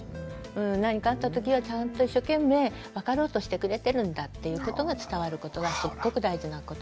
何かあったときはちゃんと一生懸命分かろうとしてくれてるんだっていうことが伝わることがすっごく大事なことで。